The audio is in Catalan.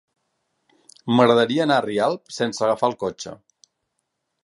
M'agradaria anar a Rialp sense agafar el cotxe.